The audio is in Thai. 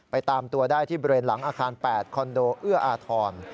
ตามตัวได้ที่บริเวณหลังอาคาร๘คอนโดเอื้ออาทร